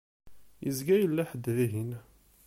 Yezga yella ḥedd dihin.